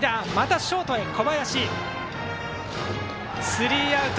スリーアウト。